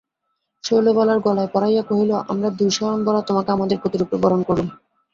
শৈলবালার গলায় পরাইয়া কহিল, আমরা দুই স্বয়ম্বরা তোমাকে আমাদের পতিরূপে বরণ করলুম।